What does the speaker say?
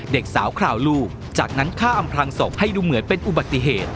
เด็กสาวคราวลูกจากนั้นฆ่าอำพลังศพให้ดูเหมือนเป็นอุบัติเหตุ